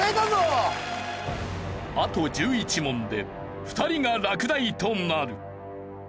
あと１１問で２人が落第となる。